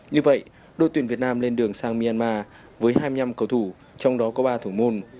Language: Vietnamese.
như vậy đội tuyển việt nam lên đường sang myanmar với hai mươi năm cầu thủ trong đó có ba thủ môn